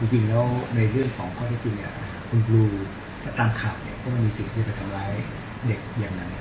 จริงแล้วในเรื่องของข้อที่จริงเนี่ยคุณครูตามข่าวเนี่ยก็ไม่มีสิทธิ์ที่จะทำร้ายเด็กอย่างนั้น